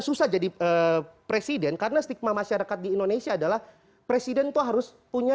susah jadi presiden karena stigma masyarakat di indonesia adalah presiden itu harus punya